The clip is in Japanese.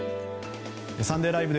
「サンデーＬＩＶＥ！！」